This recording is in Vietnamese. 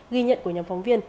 ghi nhận của nhóm phóng viên